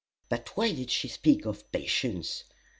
But why did she speak of patience?